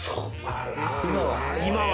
今は。